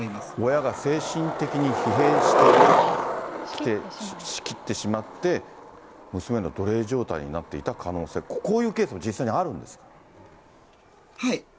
親が精神的に疲弊しきってしまって、娘の奴隷状態になっていた可能性、こういうケースも実際にあるんではい。